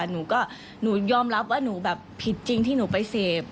หนูก็หนูยอมรับว่าหนูแบบผิดจริงที่หนูไปเสพ